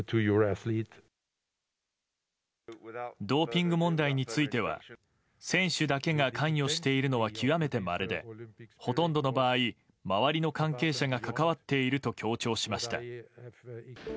ドーピング問題については選手だけが関与しているのは極めてまれでほとんどの場合周りの関係者が関わっていると強調しました。